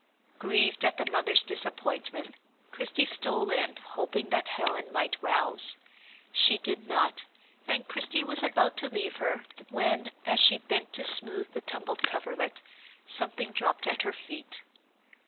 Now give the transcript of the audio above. Grieved at the mother's disappointment, Christie stole in, hoping that Helen might rouse. She did not, and Christie was about to leave her, when, as she bent to smooth the tumbled coverlet, something dropped at her feet.